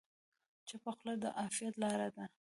چپه خوله، د عافیت لاره ده.